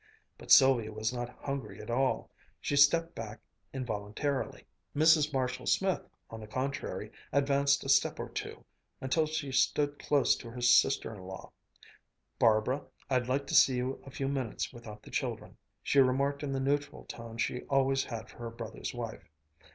But Sylvia was not hungry at all. She stepped back involuntarily. Mrs. Marshall Smith, on the contrary, advanced a step or so, until she stood close to her sister in law. "Barbara, I'd like to see you a few minutes without the children," she remarked in the neutral tone she always had for her brother's wife.